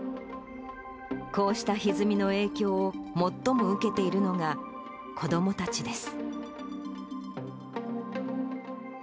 こうしたひずみの影響を最も受けているのが子どもたちです。